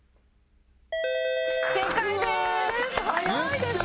正解です！